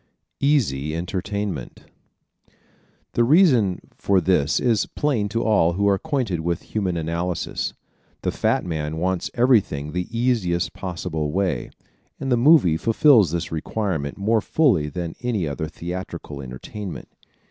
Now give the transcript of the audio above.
Easy Entertainment ¶ The reason for this is plain to all who are acquainted with Human Analysis: the fat man wants everything the easiest possible way and the movie fulfils this requirement more fully than any other theatrical entertainment.